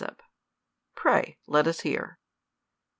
Pray let us hear.